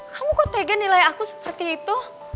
kamu kok tega nilai aku seperti itu